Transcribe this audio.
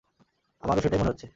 আমারও সেটাই মনে হচ্ছে।